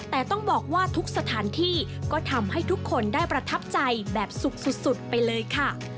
แต่ต้องบอกว่าทุกสถานที่ก็ทำให้ทุกคนได้ประทับใจแบบสุขสุดไปเลยค่ะ